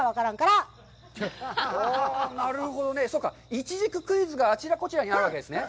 いちじくクイズがあちらこちらにあるわけなんですね。